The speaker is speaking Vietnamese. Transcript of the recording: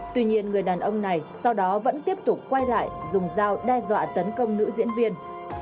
tuy nhiên người đàn ông này sau đó vẫn tiếp tục quay lại dùng dao đe dọa tấn công nữ diễn viên